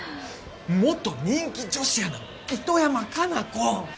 元人気女子アナの糸山果奈子！